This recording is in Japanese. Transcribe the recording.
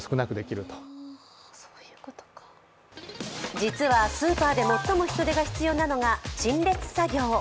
実はスーパーで最も人手が必要なのが陳列作業。